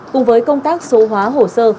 cùng với công tác số hóa hồ sơ